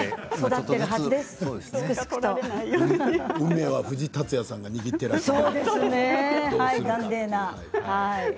運命は藤竜也さんが握っていらっしゃる。